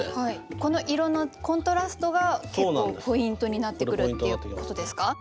この色のコントラストが結構ポイントになってくるっていうことですか？